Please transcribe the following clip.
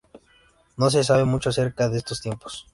No se sabe mucho acerca de estos tiempos.